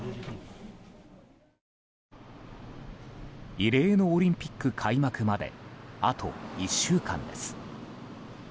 異例のオリンピック開幕まであと１週間です。